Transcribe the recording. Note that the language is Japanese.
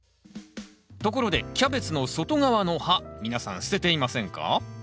ところでキャベツの外側の葉皆さん捨てていませんか？